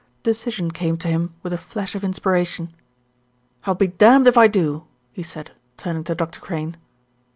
Decision came to him with a flash of inspiration. "I'll be damned if I do!" he said, turning to Dr. Crane.